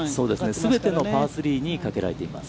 全てのパー３にかけられています。